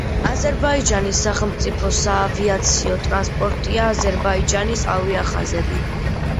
აზერბაიჯანის სახელმწიფო საავიაციო ტრანსპორტია აზერბაიჯანის ავიახაზები.